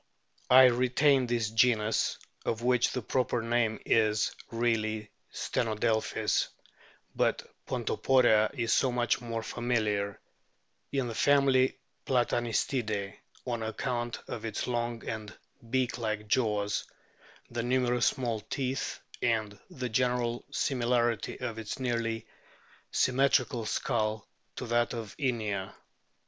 I retain this genus (of which the proper name is really Stenodelpkis, but Pontoporia is so much more familiar) in the family Platanistidae on account of its long and beak like jaws, the numerous small teeth, and the general similarity of its nearly symmetrical skull to that of Inia.